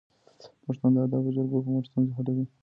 پښتون د ادب او جرګو په مټ ستونزې حلوي.